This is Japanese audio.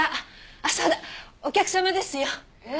あっそうだお客様ですよ。え？